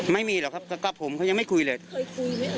แต่ผู้ชายคนนี้เคยมีความสัมพันธ์หรือไง